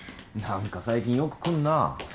何か最近よく来んな。